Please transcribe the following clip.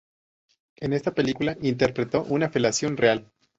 En esta película, interpretó una felación real.